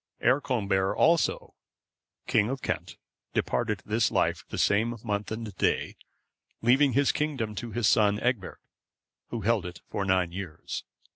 Earconbert,(518) also, king of Kent, departed this life the same month and day; leaving his kingdom to his son Egbert, who held it for nine years.